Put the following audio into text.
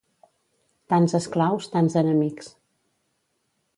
Tants esclaus, tants enemics.